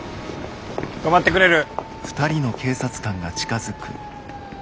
止まってくれる？